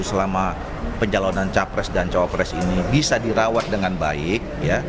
selama pencalonan capres dan cawapres ini bisa dirawat dengan baik